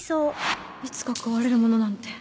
いつか壊れるものなんて